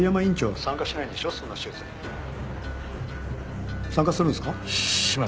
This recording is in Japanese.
参加するんですか？